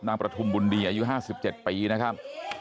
นางประธุมปุรณีอายุ๕๗ปีนะครับ